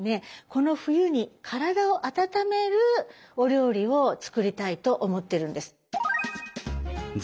この冬に体を温めるお料理を作りたいと思ってるんです。